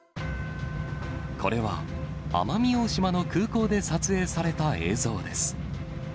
これは、奄美大島の空港で撮影された映像です。